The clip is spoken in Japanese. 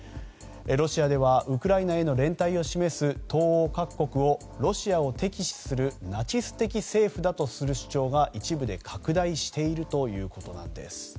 ロシアではウクライナへの連帯を示す東欧各国をロシアを敵視するナチス的政府だとする主張が一部で拡大しているということなんです。